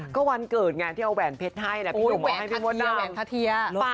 ก็วันเกิดไงที่เอาแหวนเพชรให้พี่หนุ่มเอาให้พี่มดดำ